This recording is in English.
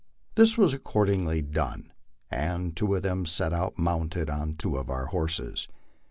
This was accordingly done, and two of them set out mounted on two of our horses.